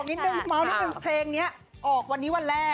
พี่รู้หรือเป็นเพลงแบบนี้ออกวันนี้วันแรก